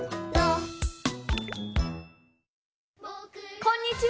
こんにちは！